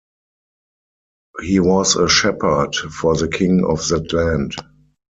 He was a shepherd for the king of that land.